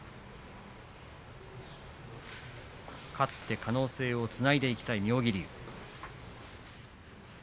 勝って可能性をつないでいきたい妙義龍。